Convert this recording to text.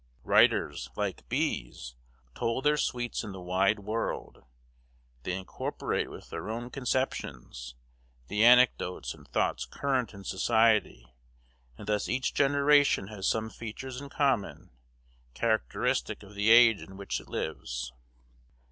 Writers, like bees, toll their sweets in the wide world; they incorporate with their own conceptions, the anecdotes and thoughts current in society; and thus each generation has some features in common, characteristic of the age in which it lives.